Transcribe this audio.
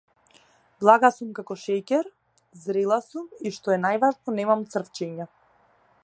Блага сум како шеќер, зрела сум и што е најважно немам црвчиња.